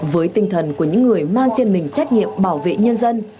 với tinh thần của những người mang trên mình trách nhiệm bảo vệ nhân dân